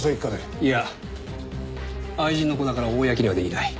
いや愛人の子だから公にはできない。